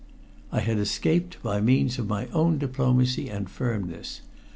I had escaped by means of my own diplomacy and firmness.